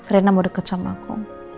rena mau deket sama aku